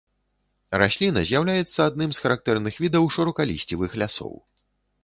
Расліна з'яўляецца адным з характэрных відаў шырокалісцевых лясоў.